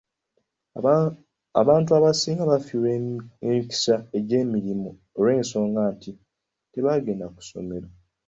Abantu abasinga bafiirwa emikisa gy'emirimu olw'ensonga nti tebagenda ku ssomero.